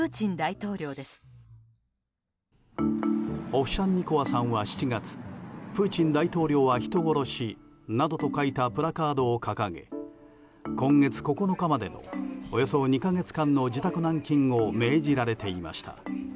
オフシャンニコワさんは７月プーチン大統領は人殺しなどと書いたプラカードを掲げ今月９日までおよそ２か月間の自宅軟禁を命じられていました。